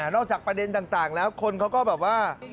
จากประเด็นต่างแล้วคนเขาก็แบบว่า